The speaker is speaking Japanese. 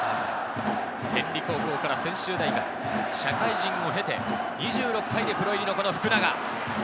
天理高校から専修大学、社会人を経て、２６歳でプロ入りの福永。